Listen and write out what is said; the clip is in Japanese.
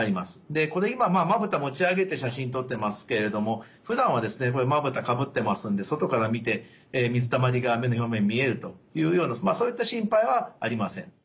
でこれ今まぶた持ち上げて写真撮ってますけれどもふだんはですねまぶたかぶってますんで外から見て水たまりが目の表面見えるというようなそういった心配はありません。